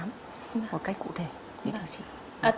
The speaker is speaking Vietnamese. một cách cụ thể để điều trị